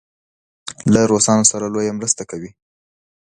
له روسانو سره لویه مرسته کوي.